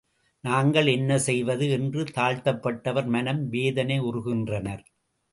நாங்கள் என்ன செய்வது? என்று தாழ்த்தப்பட்டவர் மனம் வேதனையுறுகின்றனர்.